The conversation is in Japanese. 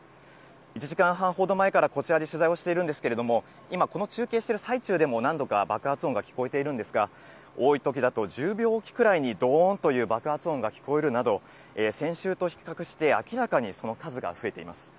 １時間半ほど前からこちらで取材をしているんですけれども、今、この中継している最中でも、何度か爆発音が聞こえているんですが、多いときだと１０秒置きぐらいにドーンという爆発音が聞こえるなど、先週と比較して、明らかにその数が増えています。